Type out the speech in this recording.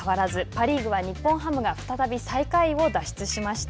パ・リーグは日本ハムが再び最下位を脱出しました。